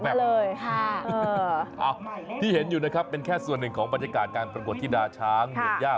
ที่เห็นอยู่นะครับเป็นแค่ส่วนหนึ่งของบรรยากาศการประกวดที่ดาช้างเมืองย่า